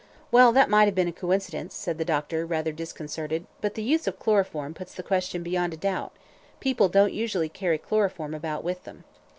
"Well, that might have been a coincidence," said the doctor, rather disconcerted; "but the use of chloroform puts the question beyond a doubt; people don't usually carry chloroform about with them."